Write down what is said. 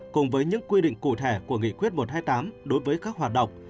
cùng với những quy định cụ thể của nghị quyết một trăm hai mươi tám đối với các hoạt động